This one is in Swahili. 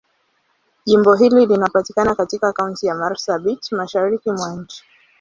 Jimbo hili linapatikana katika Kaunti ya Marsabit, Mashariki mwa nchi.